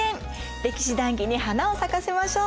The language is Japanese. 歴史談義に花を咲かせましょう。